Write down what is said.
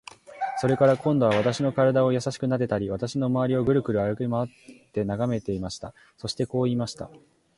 それから、今度は私の身体をやさしくなでたり、私のまわりをぐるぐる歩きまわって眺めていました。そしてこう言いました。